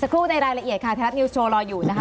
เจอกลูกในรายละเอียดค่ะแทรฟนิวส์โชว์รออยู่นะคะ